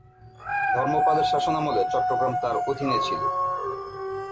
ধর্মপালের শাসনামলে চট্টগ্রাম তার অধীনে ছিল।